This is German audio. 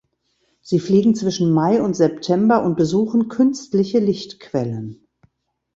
Sie fliegen zwischen Mai und September und besuchen künstliche Lichtquellen.